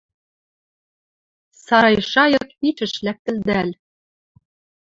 Сарай шайык пичӹш лӓктӹлдӓл